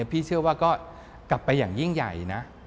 พี่เชื่อว่าก็กลับไปอย่างยิ่งใหญ่นะ